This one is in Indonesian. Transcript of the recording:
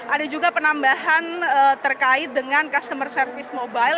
ada juga penambahan terkait dengan customer service mobile